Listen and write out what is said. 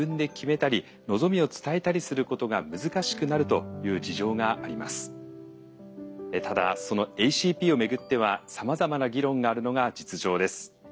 ただそのＡＣＰをめぐってはさまざまな議論があるのが実情です。